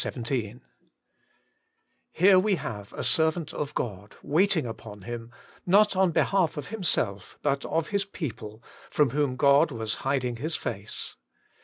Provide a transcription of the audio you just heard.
TTERE we have a eervant of God, waiting ■* upon Him, not on behalf of himself, but of his people, from whom God was hiding His face.